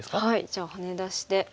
じゃあハネ出しで。